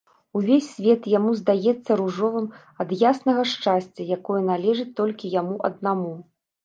Увесь свет яму здаецца ружовым ад яснага шчасця, якое належыць толькі яму аднаму.